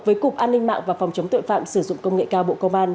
với cục an ninh mạng và phòng chống tội phạm sử dụng công nghệ cao bộ công an